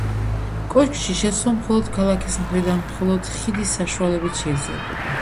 კოშკში შესვლა მხოლოდ ქალაქის მხრიდან მხოლოდ ხიდის საშუალებით შეიძლებოდა.